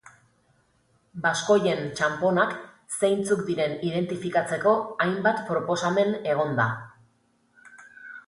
Baskoien txanponak zeintzuk diren identifikatzeko hainbat proposamen egon da.